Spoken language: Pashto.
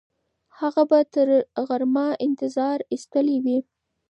هغه به تر غرمه انتظار ایستلی وي.